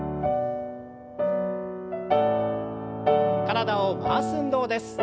体を回す運動です。